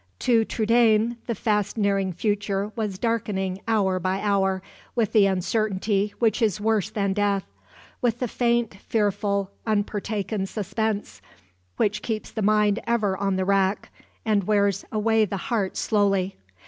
To Trudaine the fast nearing future was darkening hour by hour, with the uncertainty which is worse than death; with the faint, fearful, unpartaken suspense, which keeps the mind ever on the rack, and wears away the heart slowly.